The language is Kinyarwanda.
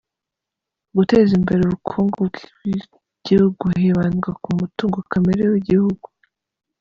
Guteza imbere ubukungu bw’igihugu hibandwa ku mutungo kamere w’igihugu